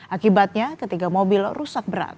akibatnya ketiga mobil rusak berat